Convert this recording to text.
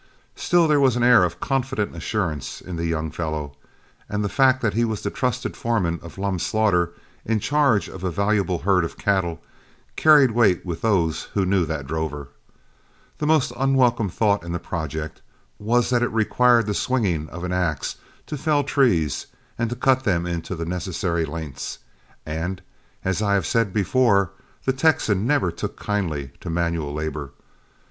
Still there was an air of confident assurance in the young fellow; and the fact that he was the trusted foreman of Lum Slaughter, in charge of a valuable herd of cattle, carried weight with those who knew that drover. The most unwelcome thought in the project was that it required the swinging of an axe to fell trees and to cut them into the necessary lengths, and, as I have said before, the Texan never took kindly to manual labor.